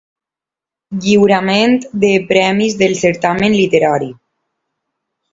Lliurament de premis del certamen literari.